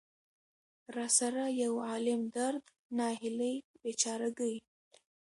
را سره يو عالم درد، ناهيلۍ ،بېچاره ګۍ.